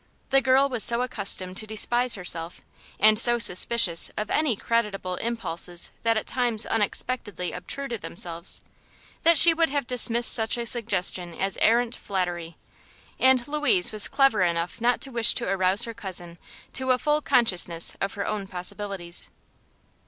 The girl was so accustomed to despise herself and so suspicious of any creditable impulses that at times unexpectedly obtruded themselves, that she would have dismissed such a suggestion as arrant flattery, and Louise was clever enough not to wish to arouse her cousin to a full consciousness of her own possibilities.